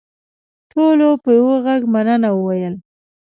ټولو په یوه غږ مننه وویل.